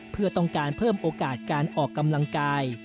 เพื่อต้องการเพิ่มโอกาสการออกกำลังกาย